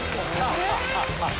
ハハハハ！